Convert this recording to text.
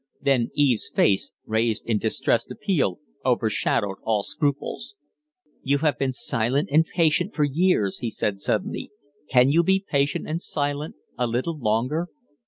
Then Eve's face, raised in distressed appeal, overshadowed all scruples. "You have been silent and patient for years," he said, suddenly. "Can you be patient and silent a little longer?"